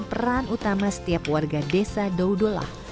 peran utama setiap warga desa doudo lah